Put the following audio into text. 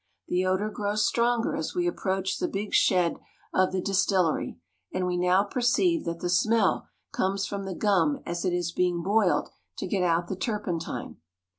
The odor grows stronger as we approach the big shed of the distillery, and we now perceive that the smell comes from the gum as it is being boiled to get out the turpentine.